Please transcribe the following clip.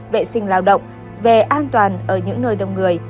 vệ sinh lao động về an toàn ở những nơi đông người